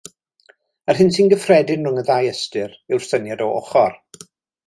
Yr hyn sy'n gyffredin rhwng y ddau ystyr, yw'r syniad o ochr.